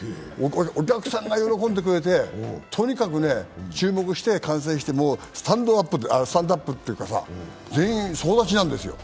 お客さんが喜んでくれて、とにかく注目して観戦してスタンドアップというか、全員、総立ちなんですよ。